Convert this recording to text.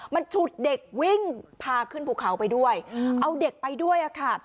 มันฉุดเด็กวิ่งพาขึ้นภูเขาไปด้วยเอาเด็กไปด้วยค่ะ